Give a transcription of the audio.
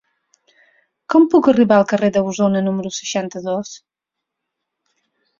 Com puc arribar al carrer d'Ausona número seixanta-dos?